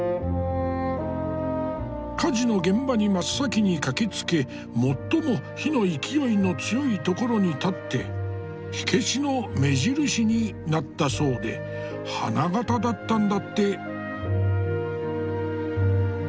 火事の現場に真っ先に駆けつけ最も火の勢いの強いところに立って火消しの目印になったそうで花形だったんだって。